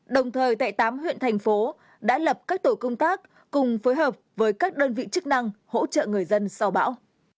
đồng thời tại tám huyện thành phố đã lập các tổ công tác cùng phối hợp với các đơn vị chức năng hỗ trợ người dân sau bão